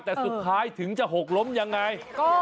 แต่สุดท้ายถึงจะหกล้มยังไง